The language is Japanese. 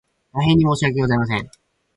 大変申し訳ございません